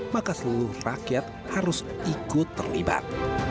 maka seluruh rakyat harus ikut terlibat